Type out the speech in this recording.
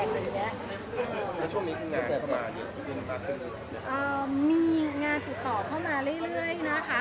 แล้วช่วงนี้ก็งานสมาธิมีงานติดต่อเข้ามาเรื่อยนะคะ